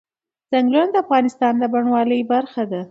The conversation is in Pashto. چنګلونه د افغانستان د بڼوالۍ برخه ده.